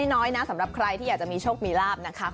อย่างแรกเลยก็คือการทำบุญเกี่ยวกับเรื่องของพวกการเงินโชคลาภ